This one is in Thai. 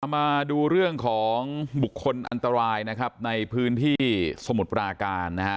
มาดูเรื่องของบุคคลอันตรายนะครับในพื้นที่สมุทรปราการนะฮะ